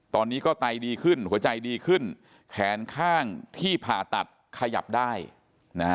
ตอนนี้ก็ไตดีขึ้นหัวใจดีขึ้นแขนข้างที่ผ่าตัดขยับได้นะฮะ